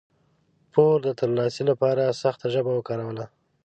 پور د ترلاسي لپاره سخته ژبه وکاروله.